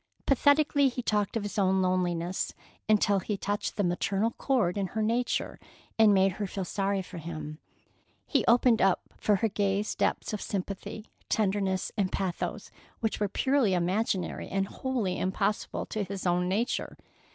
Pathetically he talked of his own loneliness, until he touched the maternal chord in her nature and made her feel sorry for him. He opened up for her gaze depths of sympathy, tenderness, and pathos, which were purely imaginary and wholly impossible to his own nature.